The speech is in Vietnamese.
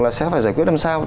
là sẽ phải giải quyết làm sao